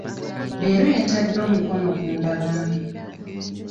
Leero yatadde omukono ku ndagaano.